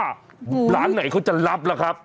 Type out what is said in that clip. ร้านไหนเขาจะรับล่ะครับ